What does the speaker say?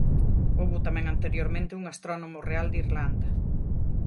Houbo tamén anteriormente un "Astrónomo Real de Irlanda".